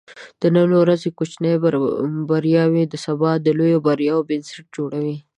د نن ورځې کوچني بریاوې د سبا د لویو بریاوو بنسټ جوړوي.